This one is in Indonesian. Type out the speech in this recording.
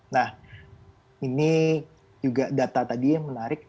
nah ini juga data tadi yang menarik